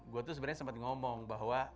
gue tuh sebenarnya sempat ngomong bahwa